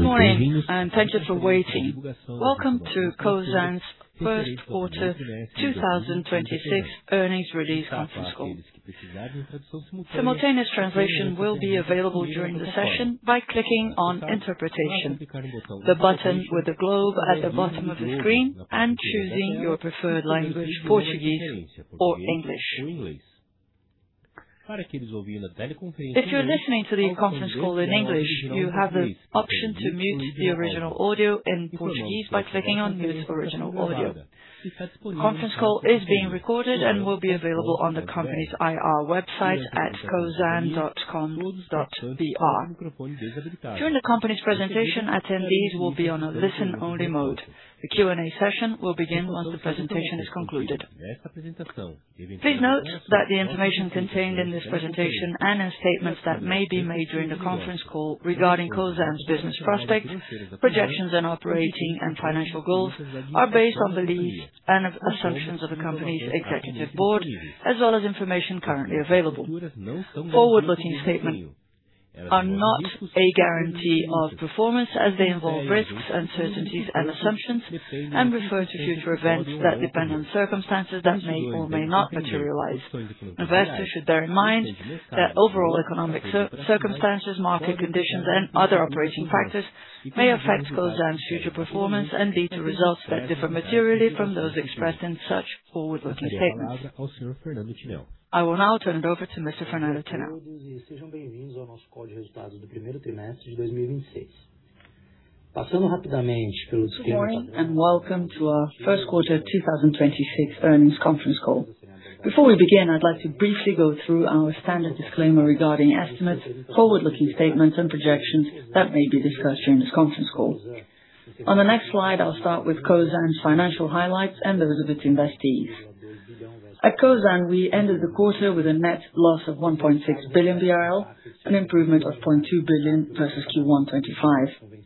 Good morning. Thank you for waiting. Welcome to Cosan's Q1 2026 earnings release conference call. Simultaneous translation will be available during the session by clicking on Interpretation. The button with the globe at the bottom of the screen and choosing your preferred language, Portuguese or English. If you're listening to the conference call in English, you have the option to mute the original audio in Portuguese by clicking on Mute Original Audio. Conference call is being recorded and will be available on the company's IR website at cosan.com.br. During the company's presentation, attendees will be on a listen-only mode. The Q&A session will begin once the presentation is concluded. Please note that the information contained in this presentation and in statements that may be made during the conference call regarding Cosan's business prospects, projections and operating and financial goals are based on beliefs and assumptions of the company's executive board, as well as information currently available. Forward-looking statement are not a guarantee of performance as they involve risks, uncertainties, and assumptions, and refer to future events that depend on circumstances that may or may not materialize. Investors should bear in mind that overall economic circumstances, market conditions and other operating factors may affect Cosan's future performance and lead to results that differ materially from those expressed in such forward-looking statements. I will now turn it over to Mr. Fernando Tinel. Good morning, welcome to our Q1 2026 earnings conference call. Before we begin, I'd like to briefly go through our standard disclaimer regarding estimates, forward-looking statements and projections that may be discussed during this conference call. On the next slide, I'll start with Cosan's financial highlights and those of its investees. At Cosan, we ended the quarter with a net loss of 1.6 billion BRL, an improvement of 0.2 billion versus Q1 2025.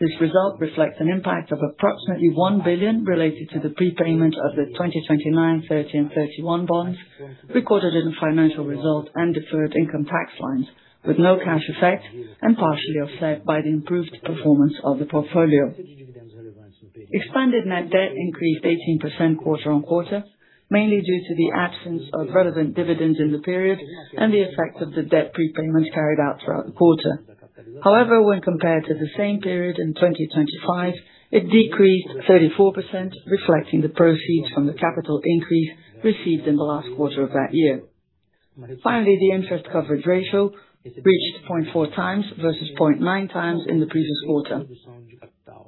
This result reflects an impact of approximately 1 billion related to the prepayment of the 2029, 2031 bonds recorded in financial results and deferred income tax lines, with no cash effect and partially offset by the improved performance of the portfolio. Expanded net debt increased 18% quarter-over-quarter, mainly due to the absence of relevant dividends in the period and the effect of the debt prepayments carried out throughout the quarter. However, when compared to the same period in 2025, it decreased 34%, reflecting the proceeds from the capital increase received in the last quarter of that year. Finally, the interest coverage ratio reached 0.4 times versus 0.9 times in the previous quarter.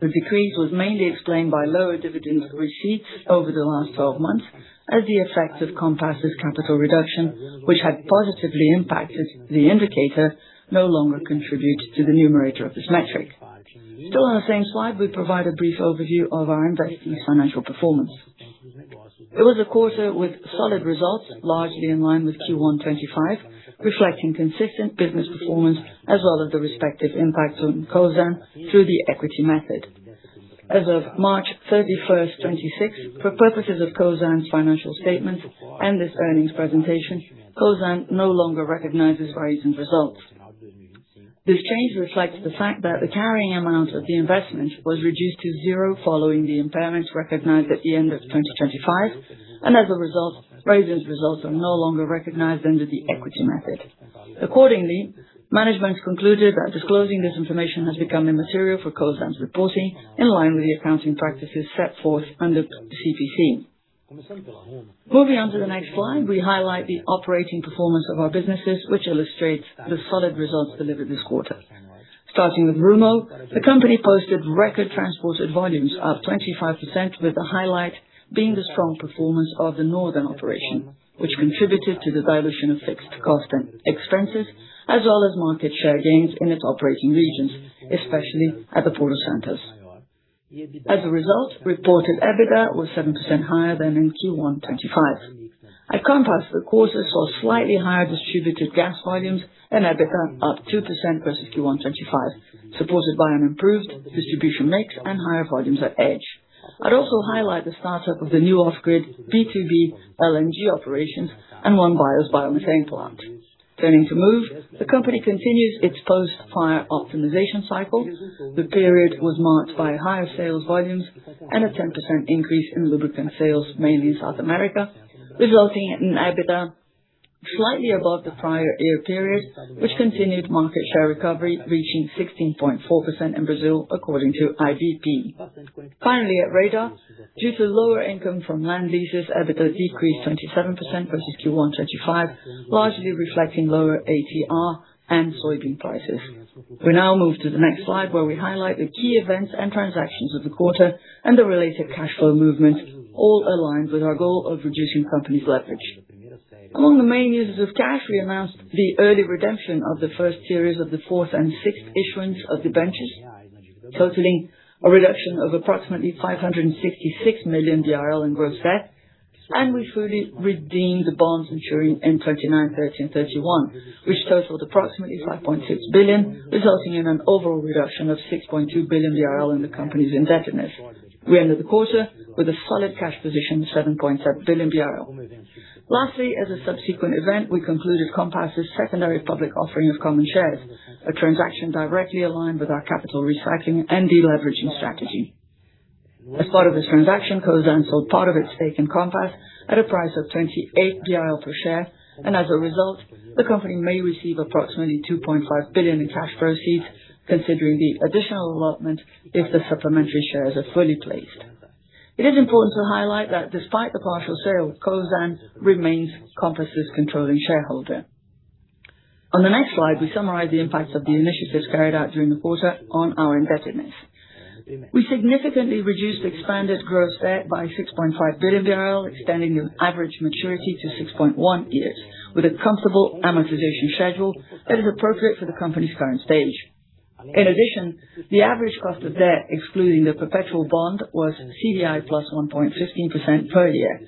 The decrease was mainly explained by lower dividends received over the last 12 months as the effect of Compass' capital reduction, which had positively impacted the indicator, no longer contributes to the numerator of this metric. Still on the same slide, we provide a brief overview of our investee financial performance. It was a quarter with solid results, largely in line with Q1 2025, reflecting consistent business performance as well as the respective impact on Cosan through the equity method. As of March 31st, 2026, for purposes of Cosan's financial statements and this earnings presentation, Cosan no longer recognizes Raízen's results. This change reflects the fact that the carrying amount of the investment was reduced to zero following the impairments recognized at the end of 2025, and as a result, Raízen's results are no longer recognized under the equity method. Management concluded that disclosing this information has become immaterial for Cosan's reporting in line with the accounting practices set forth under CPC. Moving on to the next slide, we highlight the operating performance of our businesses, which illustrates the solid results delivered this quarter. Starting with Rumo, the company posted record transported volumes up 25%, with the highlight being the strong performance of the northern operation, which contributed to the dilution of fixed cost and expenses, as well as market share gains in its operating regions, especially at the Port of Santos. Reported EBITDA was 7% higher than in Q1 2025. At Compass, the quarter saw slightly higher distributed gas volumes and EBITDA up 2% versus Q1 2025, supported by an improved distribution mix and higher volumes at Edge. I'd also highlight the start-up of the new off-grid B2B LNG operations and Onebio's biomethane plant. Turning to Moove, the company continues its post-fire optimization cycle. The period was marked by higher sales volumes and a 10% increase in lubricant sales, mainly in South America, resulting in an EBITDA slightly above the prior year period, which continued market share recovery reaching 16.4% in Brazil, according to IBP. Finally, at Raízen, due to lower income from land leases, EBITDA decreased 27% versus Q1 2025, largely reflecting lower ATR and soybean prices. We now move to the next slide, where we highlight the key events and transactions of the quarter and the related cash flow movement, all aligned with our goal of reducing company's leverage. Among the main uses of cash, we announced the early redemption of the first series of the fourth and sixth issuance of debentures, totaling a reduction of approximately 566 million in gross debt, and we fully redeemed the bonds maturing in 2029, 2031, which totaled approximately 5.6 billion, resulting in an overall reduction of 6.2 billion BRL in the company's indebtedness. We ended the quarter with a solid cash position, 7.7 billion BRL. Lastly, as a subsequent event, we concluded Compass' secondary public offering of common shares, a transaction directly aligned with our capital recycling and deleveraging strategy. As part of this transaction, Cosan sold part of its stake in Compass at a price of 28 per share. As a result, the company may receive approximately 2.5 billion in cash proceeds, considering the additional allotment if the supplementary shares are fully placed. It is important to highlight that despite the partial sale, Cosan remains Compass' controlling shareholder. On the next slide, we summarize the impacts of the initiatives carried out during the quarter on our indebtedness. We significantly reduced expanded gross debt by 6.5 billion, extending the average maturity to 6.1 years with a comfortable amortization schedule that is appropriate for the company's current stage. In addition, the average cost of debt, excluding the perpetual bond, was CDI plus 1.15% per year.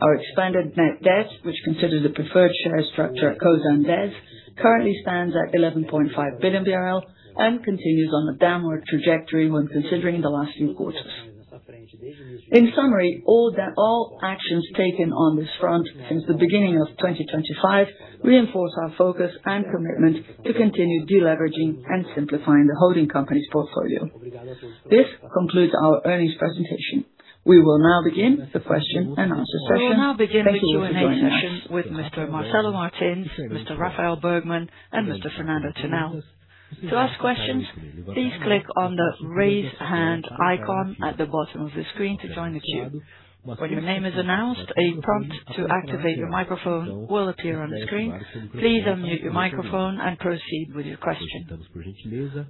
Our expanded net debt, which considers the preferred share structure of Cosan Dez, currently stands at 11.5 billion BRL and continues on a downward trajectory when considering the last few quarters. In summary, all actions taken on this front since the beginning of 2025 reinforce our focus and commitment to continue deleveraging and simplifying the holding company's portfolio. This concludes our earnings presentation. We will now begin the question and answer session. Thank you for joining us. We will now begin the Q&A session with Mr. Marcelo Martins, Mr. Rafael Bergman, and Mr. Fernando Tinel. To ask questions, please click on the Raise Hand icon at the bottom of the screen to join the queue. When your name is announced, a prompt to activate your microphone will appear on the screen. Please unmute your microphone and proceed with your question.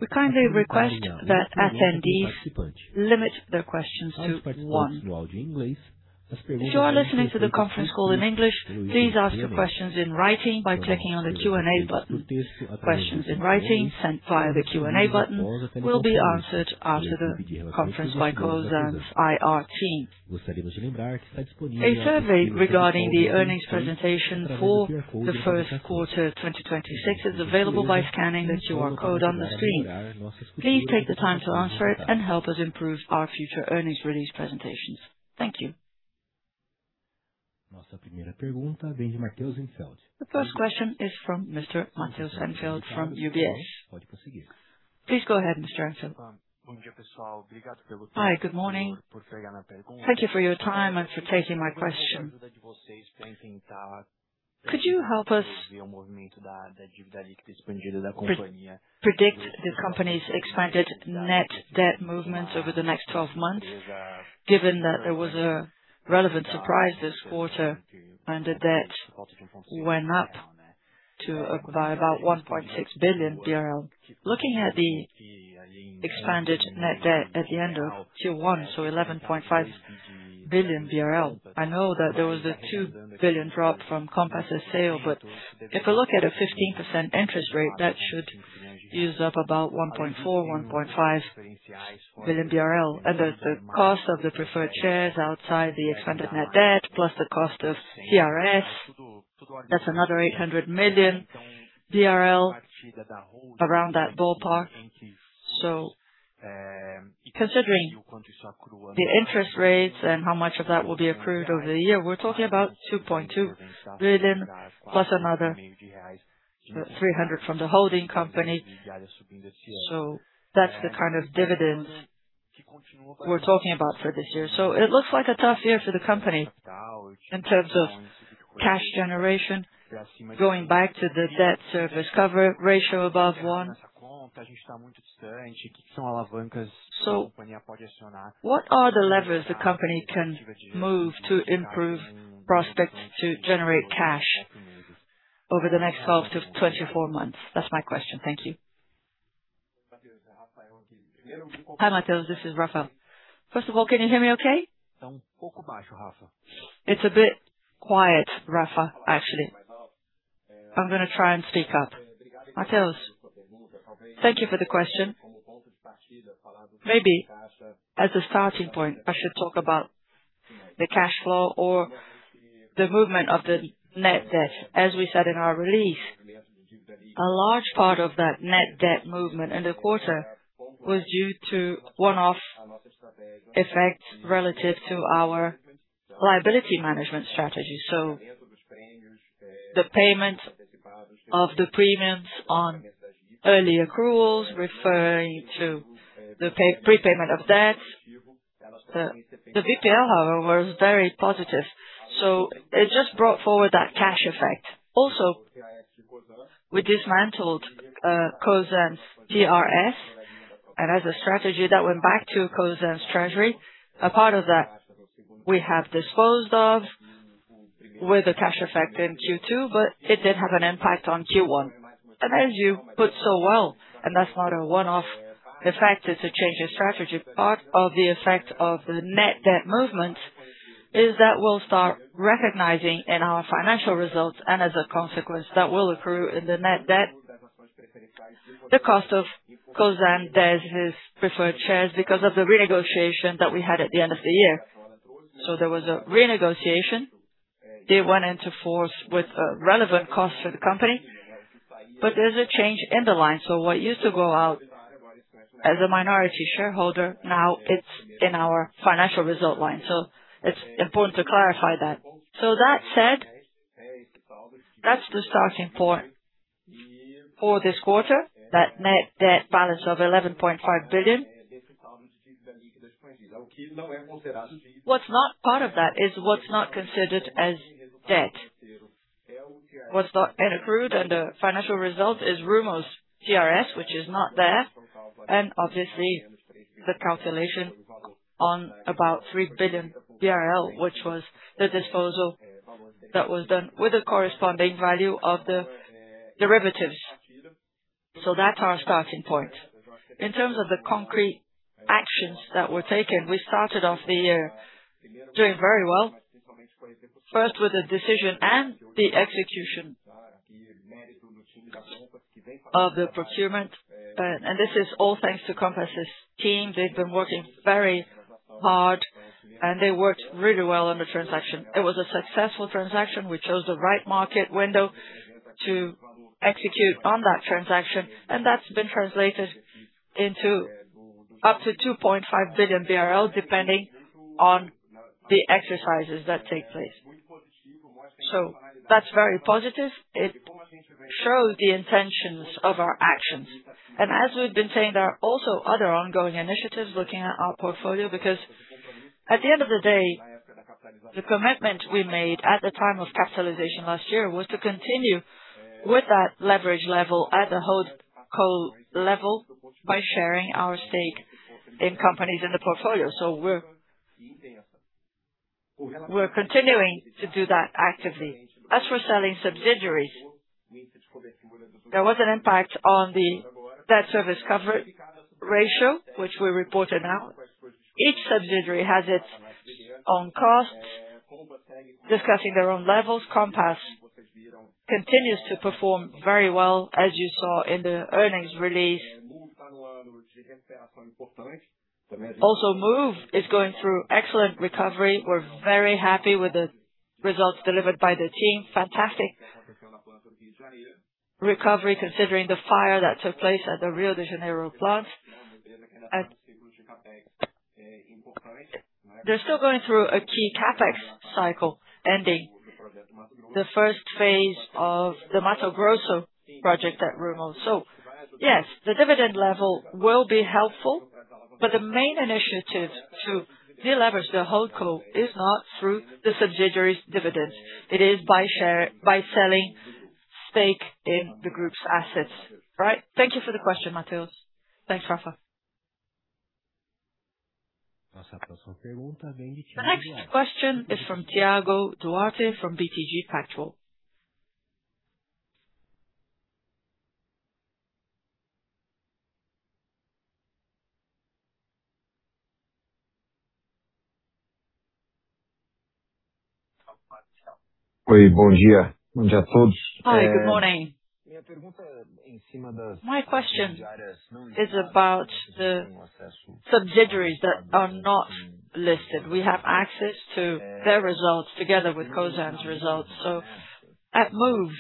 We kindly request that attendees limit their questions to one. If you are listening to the conference call in English, please ask your questions in writing by clicking on the Q&A button. Questions in writing sent via the Q&A button will be answered after the conference by Cosan's IR team. A survey regarding the earnings presentation for the Q1 2026 is available by scanning the QR code on the screen. Please take the time to answer it and help us improve our future earnings release presentations. Thank you. The first question is from Mr. Matheus Enfeldt from UBS. Please go ahead, Mr. Enfeldt. Hi, good morning. Thank you for your time and for taking my question. Could you help us predict the company's expanded net debt movements over the next 12 months, given that there was a relevant surprise this quarter and the debt went up by about 1.6 billion BRL. Looking at the expanded net debt at the end of Q1, 11.5 billion BRL, I know that there was a 2 billion drop from Compass' sale, but if we look at a 15% interest rate, that should use up about 1.4 billion-1.5 billion BRL. The cost of the preferred shares outside the expanded net debt plus the cost of TRS, that's another 800 million around that ballpark. Considering the interest rates and how much of that will be accrued over the year, we're talking about 2.2 billion plus another 300 from the holding company. That's the kind of dividends we're talking about for this year. It looks like a tough year for the company in terms of cash generation, going back to the debt service cover ratio above one. What are the levers the company can move to improve prospects to generate cash over the next 12 to 24 months? That's my question. Thank you. Hi, Matheus. This is Rafa. First of all, can you hear me okay? It's a bit quiet, Rafa, actually. I'm gonna try and speak up. Matheus, thank you for the question. Maybe as a starting point, I should talk about the cash flow or the movement of the net debt. As we said in our release, a large part of that net debt movement in the quarter was due to one-off effects relative to our liability management strategy. The payment of the premiums on early accruals referring to the prepayment of debt. The VPL, however, was very positive, it just brought forward that cash effect. Also, we dismantled Cosan's TRS, as a strategy that went back to Cosan's treasury. A part of that we have disposed of with the cash effect in Q2, it did have an impact on Q1. As you put so well, that's not a one-off effect, it's a change in strategy. Part of the effect of the net debt movement is that we'll start recognizing in our financial results, and as a consequence, that will accrue in the net debt the cost of Cosan Dez, its preferred shares, because of the renegotiation that we had at the end of the year. There was a renegotiation. They went into force with relevant costs for the company. There's a change in the line. What used to go out as a minority shareholder, now it's in our financial result line. It's important to clarify that. That said, that's the starting point for this quarter, that net debt balance of 11.5 billion. What's not part of that is what's not considered as debt. What's not in accrued and the financial result is Rumo's TRS, which is not there, and obviously the calculation on about 3 billion, which was the disposal that was done with the corresponding value of the derivatives. That's our starting point. In terms of the concrete actions that were taken, we started off the year doing very well, first with the decision and the execution of the procurement. This is all thanks to Compass' team. They've been working very hard, and they worked really well on the transaction. It was a successful transaction. We chose the right market window to execute on that transaction, and that's been translated into up to 2.5 billion BRL, depending on the exercises that take place. That's very positive. It shows the intentions of our actions. As we've been saying, there are also other ongoing initiatives looking at our portfolio because at the end of the day, the commitment we made at the time of capitalization last year was to continue with that leverage level at the holdco level by sharing our stake in companies in the portfolio. We're continuing to do that actively. As for selling subsidiaries, there was an impact on the debt service cover ratio, which we reported out. Each subsidiary has its own costs, discussing their own levels. Compass continues to perform very well, as you saw in the earnings release. Moove is going through excellent recovery. We're very happy with the results delivered by the team. Fantastic recovery considering the fire that took place at the Rio de Janeiro plant. They're still going through a key CapEx cycle ending the first phase of the Mato Grosso project at Rumo. Yes, the dividend level will be helpful, but the main initiative to deleverage the holdco is not through the subsidiary's dividends. It is by selling stake in the group's assets. All right. Thank you for the question, Matheus. Thanks, Rafa. The next question is from Thiago Duarte from BTG Pactual. Hi, good morning. My question is about the subsidiaries that are not listed. We have access to their results together with Cosan's results. At Moove,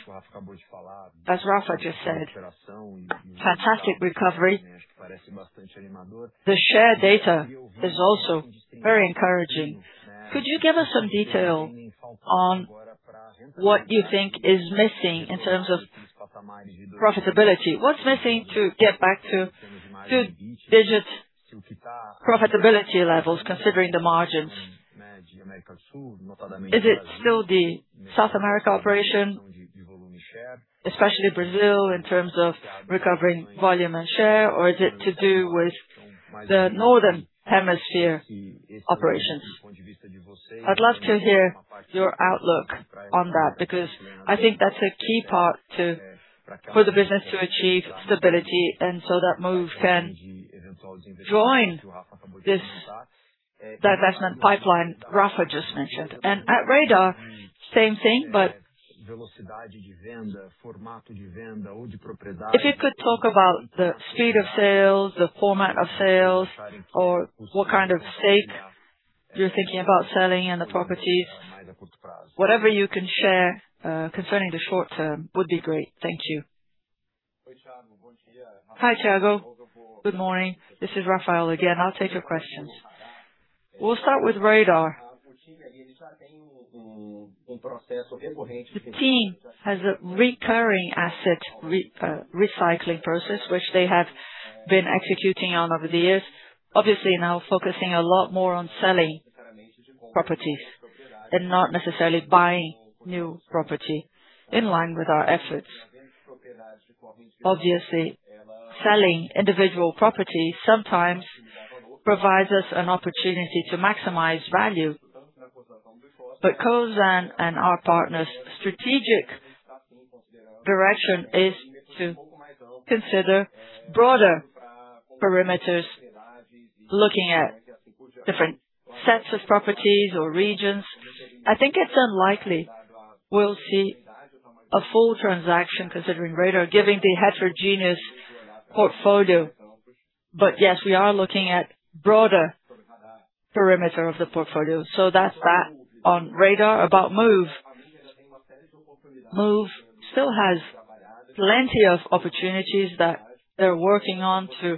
as Rafa just said, fantastic recovery. The share data is also very encouraging. Could you give us some detail on what you think is missing in terms of profitability? What's missing to get back to two-digit profitability levels considering the margins? Is it still the South America operation, especially Brazil, in terms of recovering volume and share, or is it to do with the northern hemisphere operations? I'd love to hear your outlook on that because I think that's a key part for the business to achieve stability and so that Moove can join this divestment pipeline Rafa just mentioned. At Radar, same thing, but if you could talk about the speed of sales, the format of sales or what kind of stake you're thinking about selling and the properties. Whatever you can share concerning the short term would be great. Thank you. Hi, Thiago. Good morning. This is Rafael again. I'll take your questions. We'll start with Radar. The team has a recurring asset recycling process, which they have been executing on over the years. Obviously, now focusing a lot more on selling properties and not necessarily buying new property in line with our efforts. Obviously, selling individual properties sometimes provides us an opportunity to maximize value. Cosan and our partners strategic direction is to consider broader perimeters looking at different sets of properties or regions. I think it's unlikely we'll see a full transaction considering Radar giving the heterogeneous portfolio. Yes, we are looking at broader perimeter of the portfolio. That's that. On Radar about Moove still has plenty of opportunities that they're working on to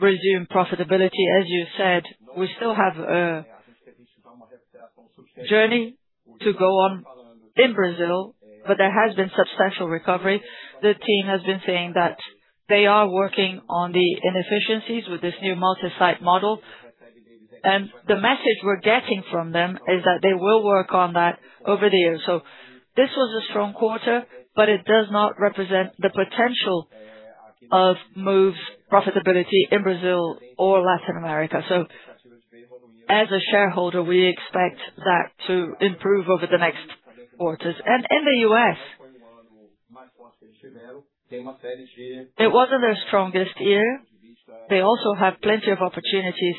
resume profitability. As you said, we still have a journey to go on in Brazil, but there has been substantial recovery. The team has been saying that they are working on the inefficiencies with this new multi-site model. The message we're getting from them is that they will work on that over the years. This was a strong quarter, but it does not represent the potential of Moove's profitability in Brazil or Latin America. As a shareholder, we expect that to improve over the next quarters. In the U.S., it wasn't their strongest year. They also have plenty of opportunities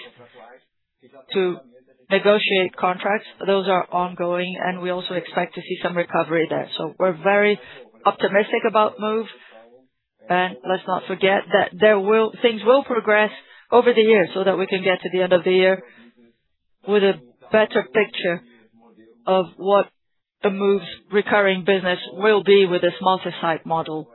to negotiate contracts. Those are ongoing, and we also expect to see some recovery there. We're very optimistic about Moove. Let's not forget that things will progress over the years so that we can get to the end of the year with a better picture of what the Moove's recurring business will be with this multi-site model.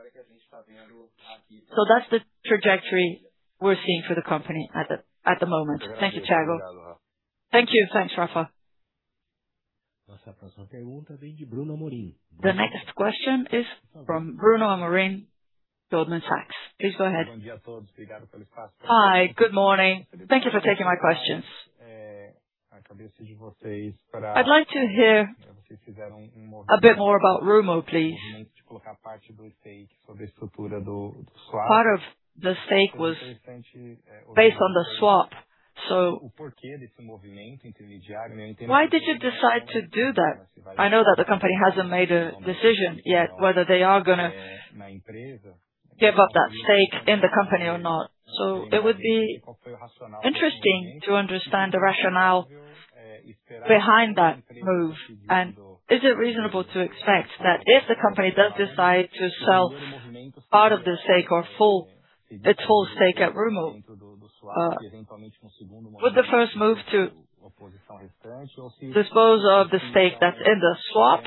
That's the trajectory we're seeing for the company at the moment. Thank you, Thiago. Thank you. Thanks, Rafa. The next question is from Bruno Amorim, Goldman Sachs. Please go ahead. Hi, good morning. Thank you for taking my questions. I'd like to hear a bit more about Rumo, please. Part of the stake was based on the swap. Why did you decide to do that? I know that the company hasn't made a decision yet, whether they are going to give up that stake in the company or not. It would be interesting to understand the rationale behind that move. Is it reasonable to expect that if the company does decide to sell part of the stake or its whole stake at Rumo, would the first move to dispose of the stake that's in the swap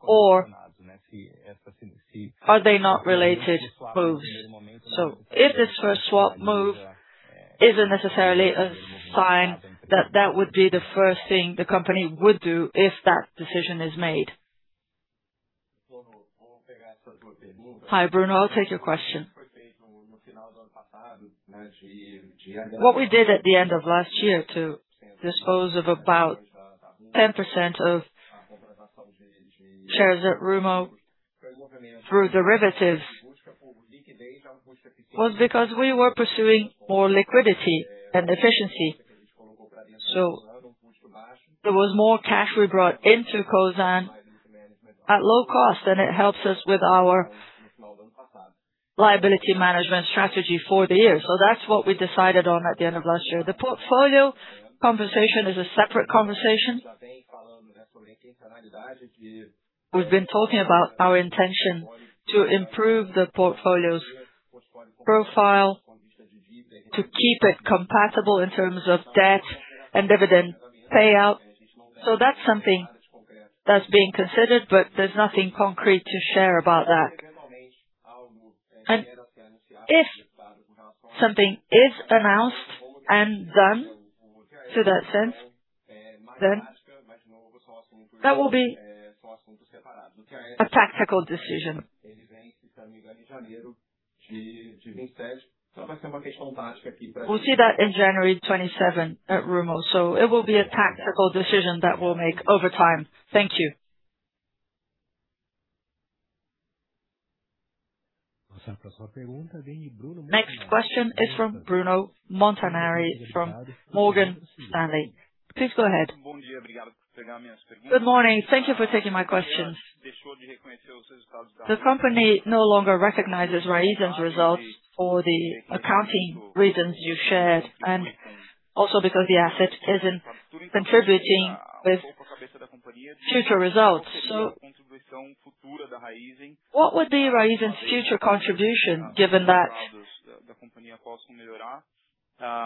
or are they not related moves? If this first swap move isn't necessarily a sign that that would be the first thing the company would do if that decision is made. Hi, Bruno. I'll take your question. What we did at the end of last year to dispose of about 10% of shares at Rumo through derivatives was because we were pursuing more liquidity and efficiency. There was more cash we brought into Cosan at low cost, and it helps us with our liability management strategy for the year. That's what we decided on at the end of last year. The portfolio conversation is a separate conversation. We've been talking about our intention to improve the portfolio's profile, to keep it compatible in terms of debt and dividend payout. That's something that's being considered, there's nothing concrete to share about that. If something is announced and done to that sense, that will be a tactical decision. We'll see that in January 27 at Rumo. It will be a tactical decision that we'll make over time. Thank you. Next question is from Bruno Montanari from Morgan Stanley. Please go ahead. Good morning. Thank you for taking my questions. The company no longer recognizes Raízen's results for the accounting reasons you shared, and also because the asset isn't contributing with future results. What would be Raízen's future contribution given that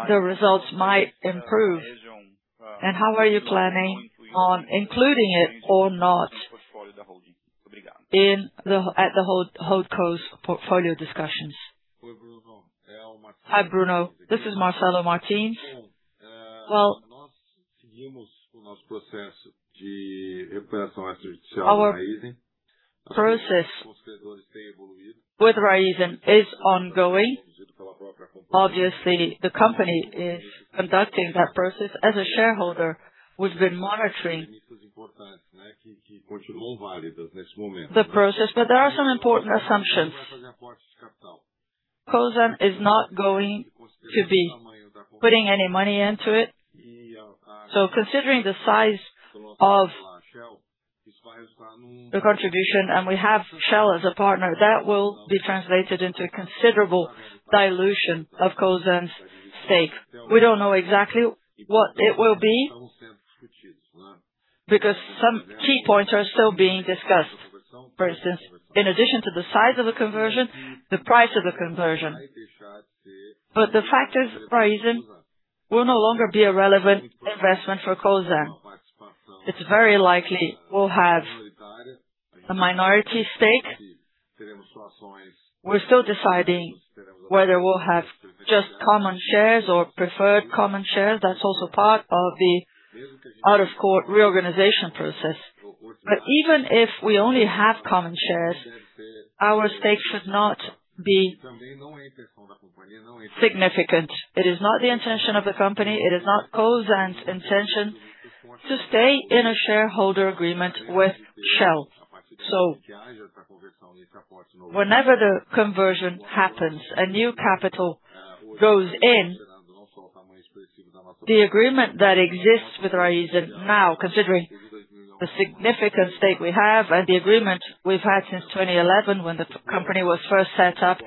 the results might improve? How are you planning on including it or not at the hold co's portfolio discussions? Hi, Bruno. This is Marcelo Martins. Our process with Raízen is ongoing. Obviously, the company is conducting that process. As a shareholder, we've been monitoring the process, but there are some important assumptions. Cosan is not going to be putting any money into it. Considering the size of the contribution, and we have Shell as a partner, that will be translated into a considerable dilution of Cosan's stake. We don't know exactly what it will be. Because some key points are still being discussed. For instance, in addition to the size of the conversion, the price of the conversion. The fact is Raízen will no longer be a relevant investment for Cosan. It's very likely we'll have a minority stake. We're still deciding whether we'll have just common shares or preferred common shares. That's also part of the out-of-court reorganization process. Even if we only have common shares, our stake should not be significant. It is not the intention of the company, it is not Cosan's intention to stay in a shareholder agreement with Shell. Whenever the conversion happens, a new capital goes in. The agreement that exists with Raízen now, considering the significant stake we have and the agreement we've had since 2011 when the company was first set up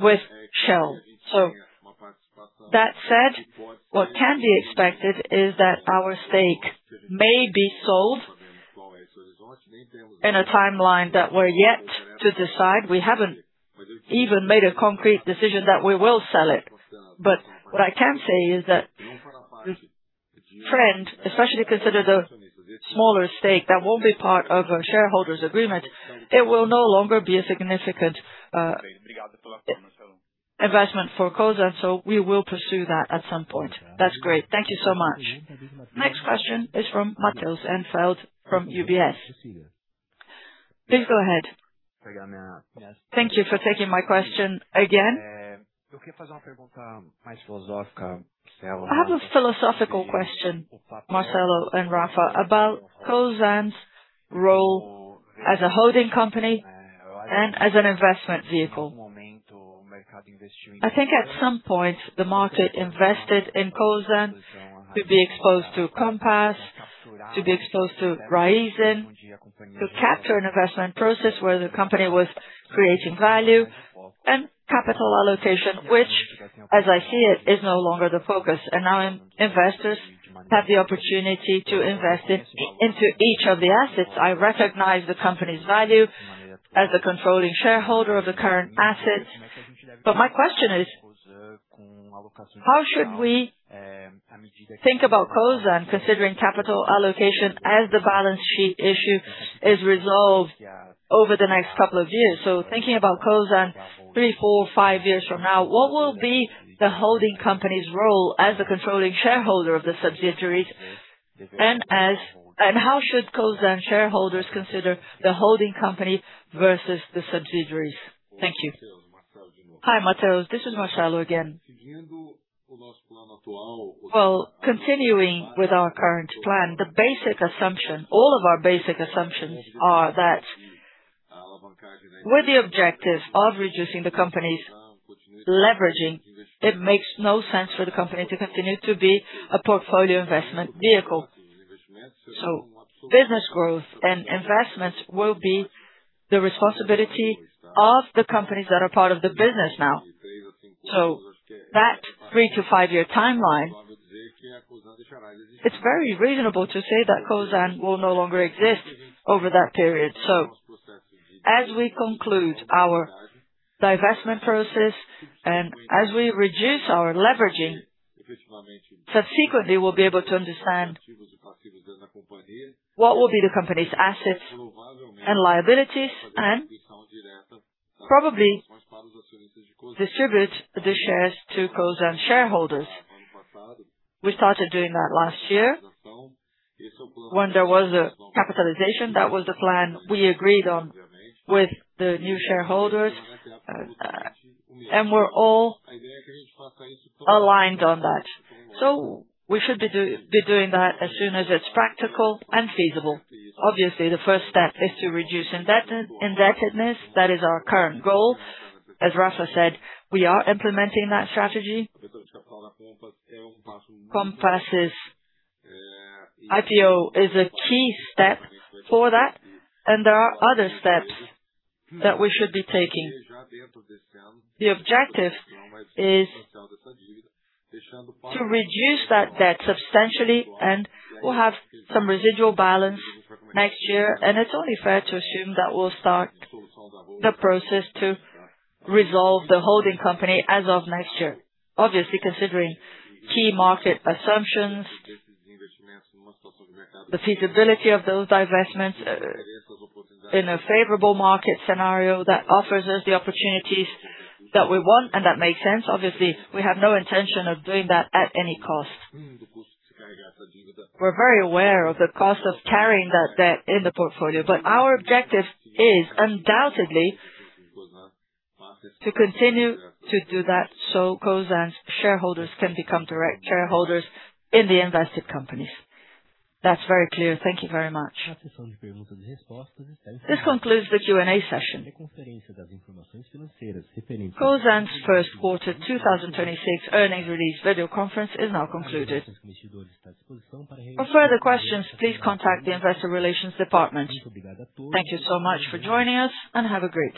with Shell. That said, what can be expected is that our stake may be sold in a timeline that we're yet to decide. We haven't even made a concrete decision that we will sell it. What I can say is that, friend, especially consider the smaller stake that won't be part of a shareholders' agreement, it will no longer be a significant investment for Cosan. We will pursue that at some point. That's great. Thank you so much. Next question is from Matheus Enfeldt from UBS. Please go ahead. Thank you for taking my question again. I have a philosophical question, Marcelo and Rafa, about Cosan's role as a holding company and as an investment vehicle. I think at some point, the market invested in Cosan to be exposed to Compass, to be exposed to Raízen, to capture an investment process where the company was creating value and capital allocation, which, as I see it, is no longer the focus. Now investors have the opportunity to invest it into each of the assets. I recognize the company's value as a controlling shareholder of the current assets. My question is, how should we think about Cosan considering capital allocation as the balance sheet issue is resolved over the next couple of years? Thinking about Cosan three, four, five years from now, what will be the holding company's role as a controlling shareholder of the subsidiaries, and how should Cosan shareholders consider the holding company versus the subsidiaries? Thank you. Hi, Matheus. This is Marcelo again. Well, continuing with our current plan, the basic assumption, all of our basic assumptions are that with the objective of reducing the company's leveraging, it makes no sense for the company to continue to be a portfolio investment vehicle. Business growth and investments will be the responsibility of the companies that are part of the business now. That three-five-year timeline, it's very reasonable to say that Cosan will no longer exist over that period. As we conclude our divestment process and as we reduce our leveraging, subsequently we'll be able to understand what will be the company's assets and liabilities, and probably distribute the shares to Cosan shareholders. We started doing that last year when there was a capitalization. That was the plan we agreed on with the new shareholders, and we're all aligned on that. We should be doing that as soon as it's practical and feasible. Obviously, the first step is to reduce indebtedness. That is our current goal. As Rafa said, we are implementing that strategy. Compass' IPO is a key step for that, and there are other steps that we should be taking. The objective is to reduce that debt substantially, and we'll have some residual balance next year. It's only fair to assume that we'll start the process to resolve the holding company as of next year. Obviously, considering key market assumptions, the feasibility of those divestments, in a favorable market scenario that offers us the opportunities that we want and that makes sense. Obviously, we have no intention of doing that at any cost. We're very aware of the cost of carrying that debt in the portfolio, but our objective is undoubtedly to continue to do that so Cosan's shareholders can become direct shareholders in the invested companies. That's very clear. Thank you very much. This concludes the Q&A session. Cosan's Q1 2026 earnings release video conference is now concluded. For further questions, please contact the investor relations department. Thank you so much for joining us, and have a great day.